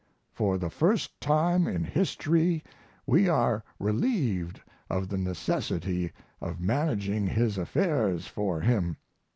For the first time in history we are relieved of the necessity of managing his affairs for him.